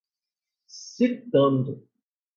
citando